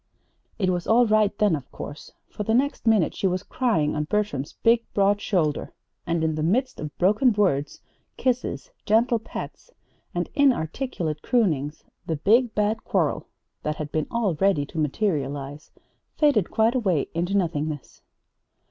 It was all right then, of course, for the next minute she was crying on Bertram's big, broad shoulder; and in the midst of broken words, kisses, gentle pats, and inarticulate croonings, the Big, Bad Quarrel, that had been all ready to materialize, faded quite away into nothingness.